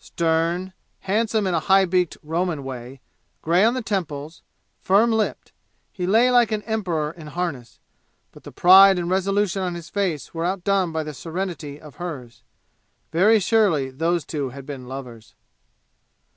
Stern, handsome in a high beaked Roman way, gray on the temples, firm lipped, he lay like an emperor in harness. But the pride and resolution on his face were outdone by the serenity of hers. Very surely those two had been lovers.